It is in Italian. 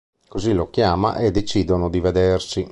Così lo chiama e decidono di vedersi.